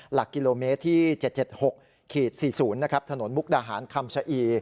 หลักกิโลเมตรที่๗๗๖๔๐นะครับถนนมุกดาหารคำชะอี